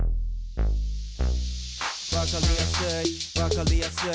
わかりやすいわかりやすい。